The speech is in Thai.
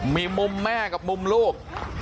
มีมุมแม่กับมุมลูก